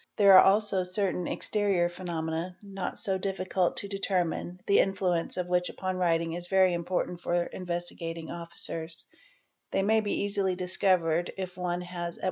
'There are also certain exterior phenomena, not so difficult to determine, the influence of which upon writing is very important for Investigating Officers"®?. They may be easily discovered if one has at.